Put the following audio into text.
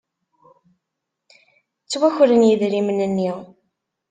Ttwakren yidrimen-nni.